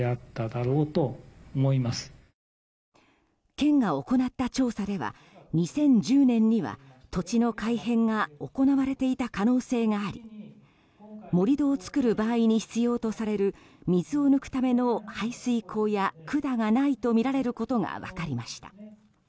県が行った調査では２０１０年には土地の改変が行われていた可能性があり盛り土を作る場合に必要とされる水を抜くための排水溝や管がないとみられることが分かりました。